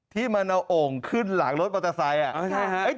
ที่มันเอาโอ่งขึ้นหลังรถมอเตอร์ไซค์